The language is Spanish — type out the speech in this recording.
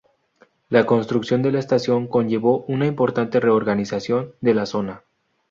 La construcción de la estación conllevó una importante reorganización de la zona.